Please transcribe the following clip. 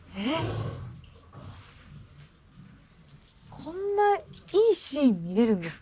こんないいシーン見れるんですか？